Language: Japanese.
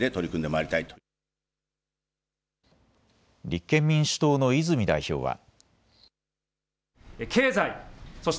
立憲民主党の泉代表は。